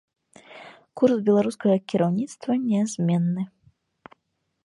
Курс беларускага кіраўніцтва нязменны.